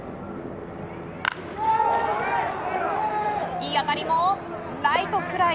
いい当たりもライトフライ。